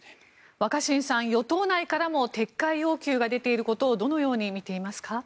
若新さん与党内からも撤回要求が出ていることをどのように見ていますか。